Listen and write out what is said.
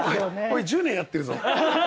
俺１０年やってるぞ。